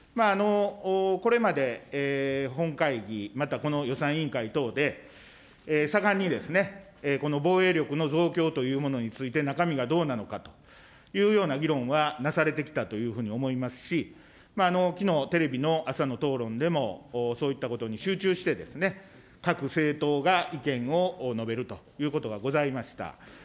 これまで本会議、またこの予算委員会等で、盛んにですね、この防衛力の増強というものについて中身がどうなのかというような議論はなされてきたというふうに思いますし、きのう、テレビの朝の討論でもそういったことに集中して、各政党が意見を述べるということがございました。